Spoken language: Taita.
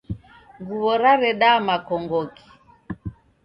Ngua raredaa makongoki?